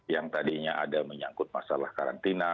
yang tadinya ada menyangkut masalah karantina